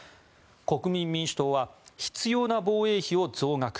国民民主党は必要な防衛費を増額。